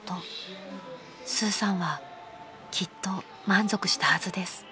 ［スーさんはきっと満足したはずです］